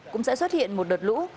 cũng sẽ xuất hiện một đợt lũ